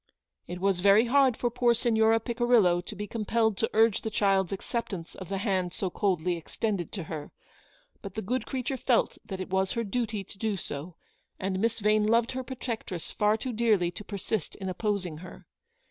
" It was very hard for poor Signora Picirillo to be compelled to urge the child's acceptance of the hand so coldly extended to her, but the good creature felt that it was her duty to do so, and Miss Vane loved her protectress far too dearly to persist in opposing her.